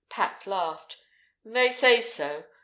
Pat laughed. "They say so.